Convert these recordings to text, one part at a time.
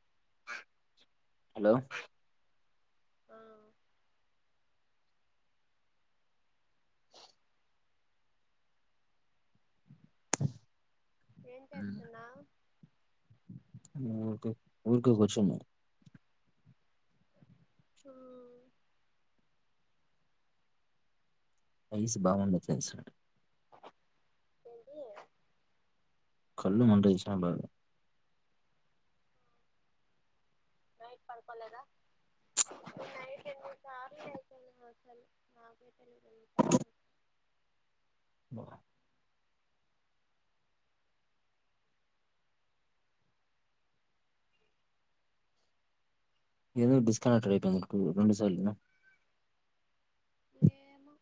- [inaudible] Hello [inaudible] [inaudible] ఏం చేస్తున్నావ్ [inaudible] ఊక ఊరిక కూర్చున్న హఆ ఐస్ బావుందా ఫ్రెండ్స్ ఏంటి కళ్ళు మండచ్చిన బాగా నైట్ పడకోలేదా నైట్ ఎన్ని సార్లు మెల్కున అసలు ఆ [unintelligible] ఏదో డిస్కనెక్ట్ అయిపో రెండు సార్లు ఏమో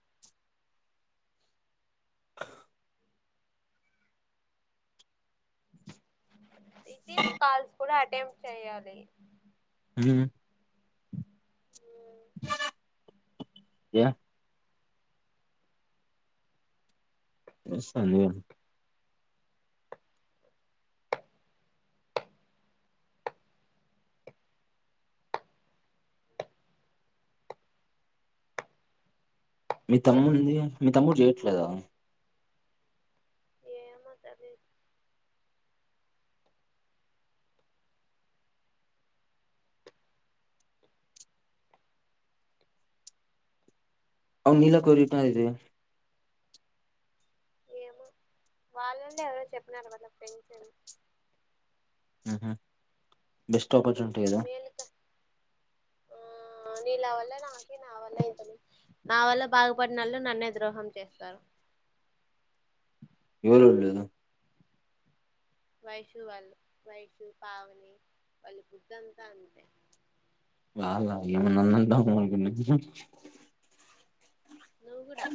ఇదిేవు కాల్ కూడా అటెంప్ట్ చెయ్యాలి అ ఏ [unintelligible] మీ తమ్మునిది ఉందిగా మీ తమ్ముడు చెయట్లేదా ఏమో తెలీదు అవు నీలా కోరిట ఇది ఏమో వాళ్ళని ఎవరో చెప్పిన వాళ్ళ ఫెండ్స్ అని ఆహ బస్ ఆపర్చునిటీ కదా వీళ్ళకి ఆ నీలా వల్ల నాకి నా వల్ల ఇ నా వల్ల బాగుపడినళ్ళు నన్నే ద్రోహం చేస్తారు ఎవరుళదా వైషూ వాళ్ళ వైషూ పావని వాళు పద్దంతా అంతే వాళ్ళ ఏమ అన్నంట మకి నువ్వు కూడా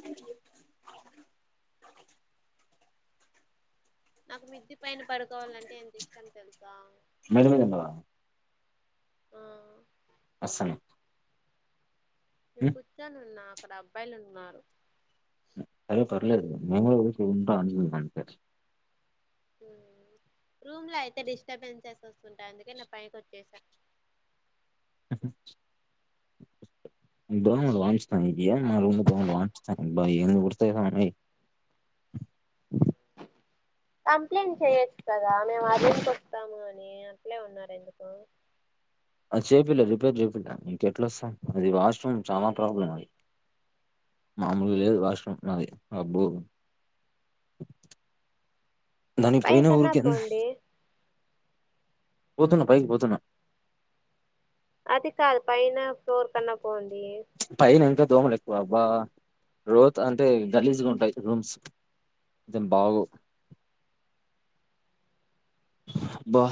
నాకు మిద్ద పైన పడుకోవాలంటే ఎంత ఇష్టం తెలుసా మెడ మీద ఉండవా ఆ అసలు నేను కూర్చొని ఉన్నా అక్కడ అబ్బాయిలు ఉన్నారు అరే పర్లేదు మే ఉంట అని రూమ్ లో అయితే డిస్టర్బెన్సెస్ వస్తుంటాయి అందుకే నే పైకి వచ్చేసా ఆ హుమ్ దోమలు వాయిసున్నాయి ఏం మా రోజు దోమలు అబ్బ ఏమి కుడతాయి స్వామి కంప్లైంట్ చెయొచ్చు కదా మేము ఆదేసుకొస్తాము అని అట్లే ఉన్నారు ఎందుకు అది చేపిల్ల రిపేర్ చేపిల్ల ఇంకెట్లా వస్తాం అది వాష్రూమ్ చాలా ప్రాబ్లం అది మామూలుగా లేదు వాష్ రూమ్ నాది అబ్బో దానికి పై ఇప్పుడు ఎందుకు కన్నా ఊరిక ఎంత పోండి పోతున్నా పైకి పోతున్నా అదిక అది పైన ఫ్లోర్ కన్నా పోంది పైనంత దోమలు ఎక్కువబ్బా రోత్ అంటే గలీజ్గా ఉంటాయి రూమ్స్ బాగోవ్ బా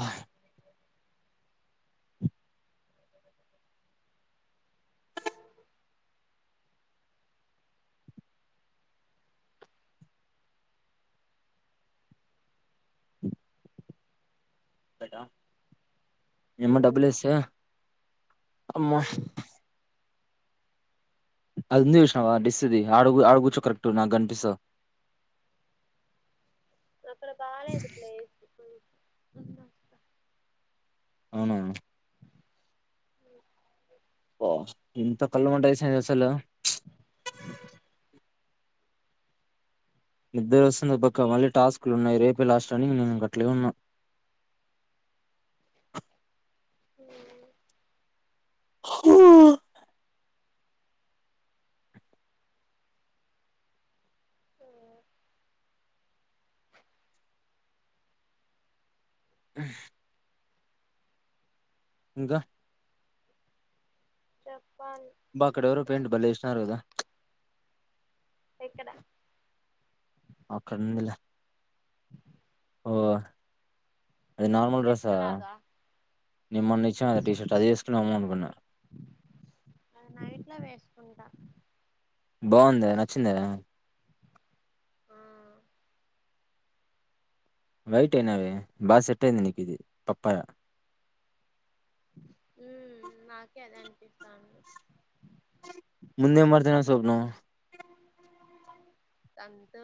ట ఏమో ఉమ్, డబ్బులు వస్తా అమ్మ ఉమ్. అదిందు చూసినవా డిస్ది ఆడుగు ఆడుగుచో కరెక్ట్ నాకు కనిపిస్తావ్ అక్కడ బాగాలేదు ప్లేస్ అా అవునా ఓ ఎంత కళ్ళు మంటాలు వస్తున్నాయ ససలు నిద్ర వస్తుంది పక్క మళ్ళీ టాస్కులు ఉన్నాయి రేపే లాస్ట్ అని నేను గట్లే ఉన్నా హమ్ ఆ ఇంకా చెప్పాలి బా అక్కడ ఎవరో పెయింట్ బలే వేస్తున్నారు కదా ఎక్కడ ఆక్కడ ఉంది లే ఓక అది నార్మల్ డ్రెస్సా చెక్కలాగా నేను మొన్న ఇచ్చాన కద టీ షర్ట్ అది వేసుకునిమ అనుకున్నా అది నైట్ లో వేసుకుంటా బాగుందా నచ్చిందా ఆమ్ వైట్ అయినావే బా సెట్టయింది నికిది పప్పయ ఉమ్ నాకే అది అనిపిస్తాను ముందే మార్తనా సొప్న తంతా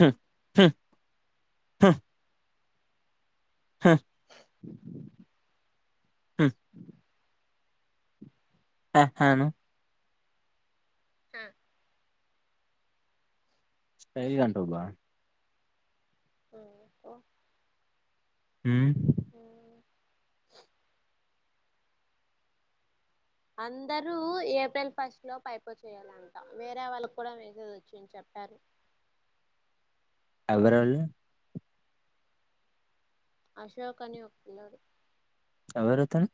హ్మ్, హ్మ్, హ హమ్ అహ్హ అను హ స్టైల్ గ అంటావు బా ఓ హొ ఊ ఆ అందరూ ఏప్రిల్ ఫస్ట్ లో పైపో చేయాలంట వేరె వాళ్ళకి కూడ మెసేజ్ వచ్చింది చెప్పారు ఎవరాల్లు అశోక్ అని ఒక పిల్లాడు ఎవరతను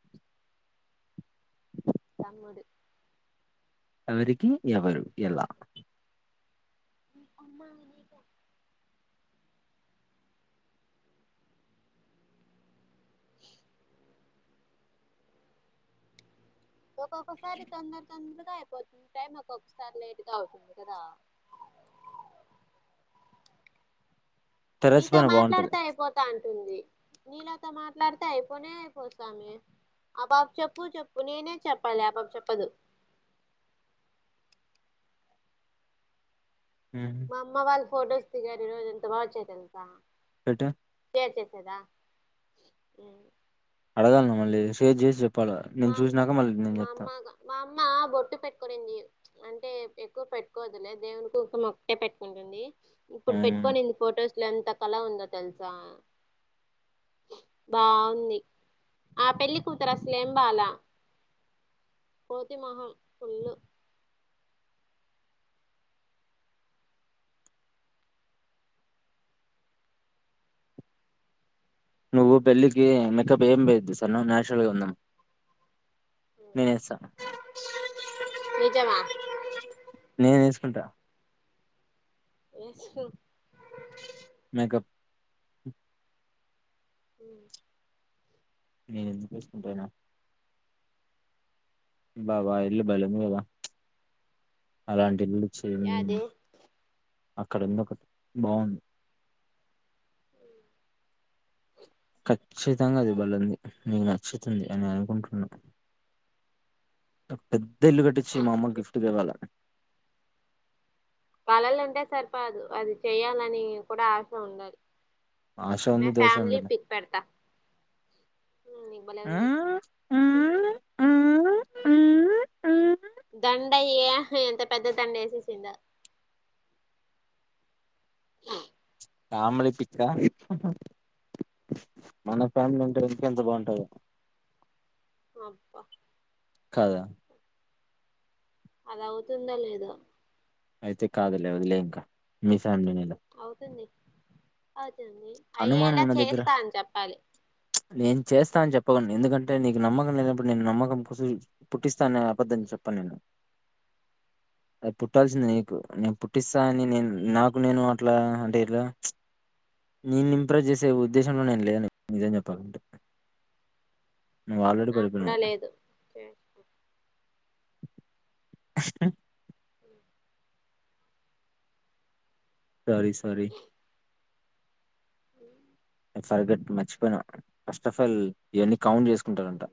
తమ్ముడు ఎవరికి ఎవరు ఎలా ఉ అమ్మా నీకె ఒకొసారి తొందర్ తొంద గ అయిపోతుంది టైం ఒక్కొక్కసారి లేట్ గ అవుతుంది కదా టెర్రస్ నీతో పైన బాగుంటది మాట్లాడితె అయిపోతాను తుంది. నీలా తొ మాట్లాడితె అయిపోనె అయిపోదు సామి. ఆ పాప చెప్పు చెప్పు నేనె చెప్పాలి ఆ పాప చెప్పదు. హ్మ్ మా అమ్మవాళ్ ఫోటోస్ దిగారు ఈ రోజు, ఎంత బా వచ్చయి తెల్సా? పెట్టు టె చేసేదా ఊ అడగాలన మళ్ళీ షేర్ జేసి చెప్ పల్ల నేను చూసినాక మళ్ళీ నేను చెప్తా అమ్మా బొట్టు పెట్టుకొనింది. అంటే ఎక్కువ పెట్టుకోవద్దులే దేవుని కుంకుమ ఒక్కటే పెట్టుకుంటుంది. ఇప్పుడు అవును పెట్టుకోనింది ఫొటోస్ అట్ల ఎంత కలా ఉందో తెలుసా బాగుంది. ఆ పెళ్ళి కూతర అసల్ ఏమ్ బాల కోతిమొహం ఫుల్ నువ్వు పెళ్లికి మెకప్ ఏం వేయద్దు సరేనా న్యాచురల్గా ఉందామ్. నేనేస్తను నిజమా నేనేసు అంట మేకప్ ఉ నేను ఎందుకేసుకుంటానా బాబా ఆ ఇల్లు బలే ఉంది కదా అలాంట్ టెల్లిచ్చి అది అక్ అక్కడుందొకటి బావుంది. ఉ కచ్చితంగా అది బలుంది నీకు నచ్చుతుంది అని అనుకుంటున్నా నాకు పెద్ ద్ద ఇల్లు కట్టిచ్చి మా అమ్మకి గిఫ్ట్ గ ఇవ్వల్ల కళలుంటే సరిపాదు అది చెయాలని కూడా ఆశ ఉండాలి ఆశ నా ఉంది దేష ఫ్యామిలీ ఉంది పిక్ పెడతా నీకు భలే ఆ ఉంది ఆ దండ అయ్యా ఎంత పెద్ద దండ వేసేసింద ఫ్యామిలీ పిక్కా మన ఫ్యామిలీ అంటే ఇంక ఎంత బాగుంటదొ అబా కాదా అలా అవుతుందా లేదా అయితే కాదులే వదిలేయ్ ఇంక మిస్ మిలి నేను అ అయ్యేలా ఉన్న దగ్గర చేస్తా అని చెప్పాలి నేను చేస్తా అన్ చెప్పన్ ఎందుకంటే నీకు నమ్మకం లేనప్పుడు నేను నమ్మకం పోసిడి పుట్టిస్. అబద్ధం చెప్పం నేను అది పుట్టాల్సింది నీకు నేను పుట్టిస్తా అని నేను నాకు నేను అట్లా అంటే ఇట్లా నేను ఇంప్రెస్ చేసే ఉద్దేశంలో నేను లే నిజం చెను పంట్. నువ్ ఆల్రెడీ నాకు కూడా పడిపోయినవ్ లేదు సారీ సార అ సరిగట్టు మర్చిపోయిన ఫస్ట్ ఆఫ్ ఆల్ ఇవన్నీ కౌంట్ చేసుకుంటారంట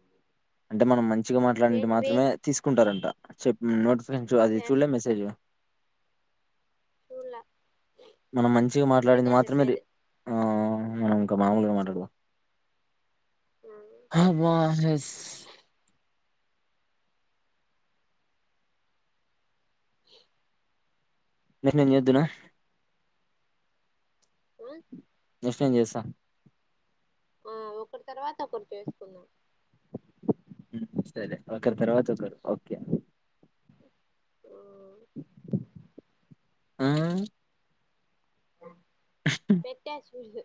అంటే మనం మంచి మంచిగా మాట్లాడినట్టు ఏంటివి మాత్రమే తీసుకుంటారు అంట. చెప్ [unintelligible] నేన్ అది చూలే మెసేజ్. స్కూల్ల. మనం మంచిగా మాట్లాడింది మాత్రమే ఆ ఇంకా మామూలుగాారు మాట్లాడదా ఆ హవాహెస్ నిన్ను నేను చేద్దునా. ఆ. నిశ ఏం చేస్తా ఆ ఒకర్ తర్వాత ఒకరు చేసుకుందాం. సరే ఒకరు తర్వాత ఒకరు ఓకే ఆ పెట్టా చూడు.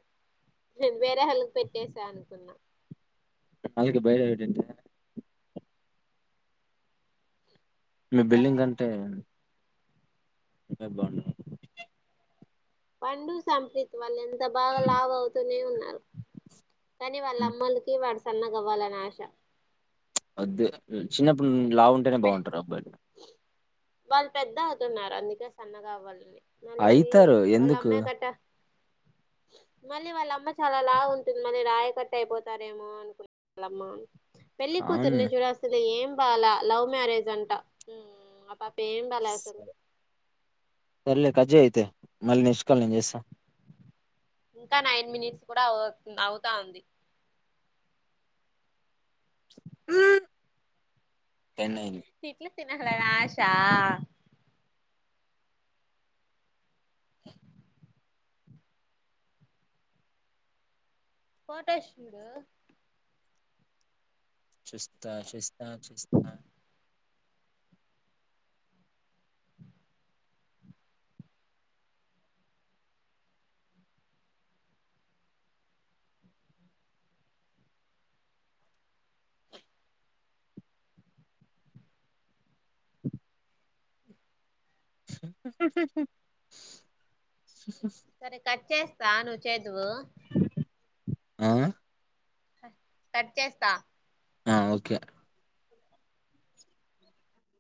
నేను వేరే వాళ్లకు పెట్టేసాను అనుకున్నా. అందుక బయలు ఏటంట మీ బిల్డింగ్ అంతే. ఏ భాను. పండు సంపిత్ వాళ్ల ఎందుక్? బాగా లావ అవుతూనే ఉన్నారు కానీ వాళ్ళ ఉమ్, అమ్మలకి వాడు సన్నగవ్వాలని ఆశ అద్దు చిన్నప్పుడు ను లా ఉంటేనే బాగుంటారు అబ్బాయిలు వాళ్లు పెద్ద అవుతున్నారు అందుకే సన్నగా అవ్వాలని. మళ్ళీ అయితారు ఎందుకు? పంది వాళ్ళ అమ్మ చాలా లావు ఉంటుందని రాయకట్టయిపోతారేమోనని వాళ్ అమ్మ. పెళ్ళలి కానీ కూతురుని చూడస్తులు ఏం బాల లవ్ మ్యారేజ్ అంటా సరేలె కట్ చేయి అయితే అే మళ్ళీ నెక్స్ట్ కాల్ నేను చేస్తా ఇంకా నైన్ మినిట్స్ కూడా అ అవుతా ఉంది టెన్ అయ్యింది తినాలి అని ఆషా ఫోటోస్ చూడు చూస్తా చూస్తా చూస్తా సరే కట్ చేసి త నువ్వు చ్చేదువు ఆ కట్ చేస్తా ఆ ఓకే